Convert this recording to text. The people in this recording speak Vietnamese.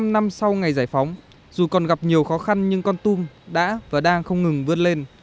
bảy mươi năm năm sau ngày giải phóng dù còn gặp nhiều khó khăn nhưng con tum đã và đang không ngừng vươn lên